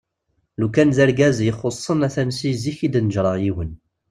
Lukan d argaz iyi-ixusen a-t-an seg zik i d-neǧǧreɣ yiwen.